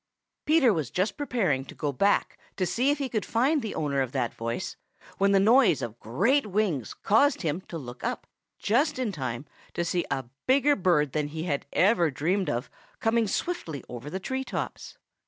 Peter was just preparing to go back to see if he could find the owner of that voice when the noise of great wings caused him to look up just in time to see a bigger bird than he ever had even dreamed of coming swiftly over the tree tops.